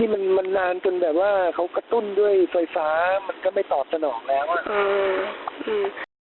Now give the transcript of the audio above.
นี่มันมันนานจนแบบว่าเขากระตุ้นด้วยสวยฟ้ามันก็ไม่ตอบจนออกแล้วอ่ะอืมอืม